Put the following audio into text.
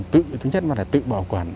tự bảo quản